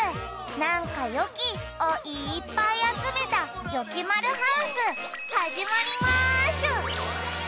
「なんかよき！」をいっぱいあつめたよきまるハウスはじまりましゅ！